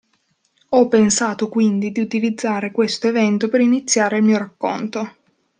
Ho pensato quindi di utilizzare questo evento per iniziare il mio racconto.